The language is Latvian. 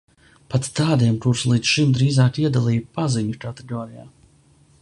Pat tādiem, kurus līdz šim drīzāk iedalīju paziņu kategorijā.